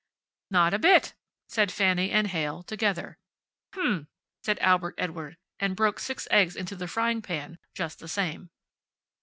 "Not a bit," said Fanny and Heyl, together. "H'm," said Albert Edward, and broke six eggs into the frying pan just the same.